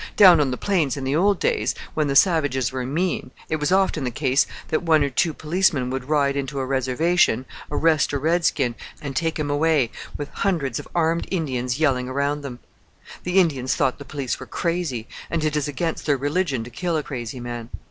Down on the plains in the old days, when the savages were mean, it was often the case that one or two policemen would ride into a reservation, arrest a red skin, and take him away with hundreds of armed Indians yelling around them. The Indians thought the police were crazy, and it is against their religion to kill a crazy man.